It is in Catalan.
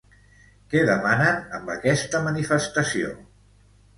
Què demanen amb aquesta manifestació?